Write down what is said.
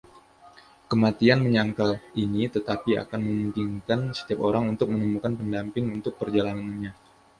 Kematian menyangkal ini, tetapi akan memungkinkan setiap orang untuk menemukan pendamping untuk perjalanannya.